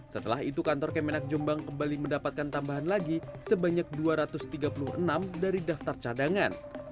setelah itu kantor kemenak jombang kembali mendapatkan tambahan lagi sebanyak dua ratus tiga puluh enam dari daftar cadangan